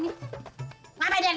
ngapain dia lihat